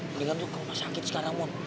mendingan lo ke rumah sakit sekarang mohon